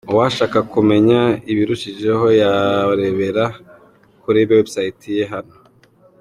Uwashaka kumenya ibirushijeho yarebera kuri website ye hano :.